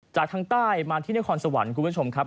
จากทางใต้มาที่นครสวรรค์คุณผู้ชมครับ